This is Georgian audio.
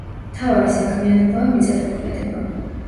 მთავარი საქმიანობაა მიწათმოქმედება.